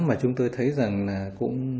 mà chúng tôi thấy rằng là cũng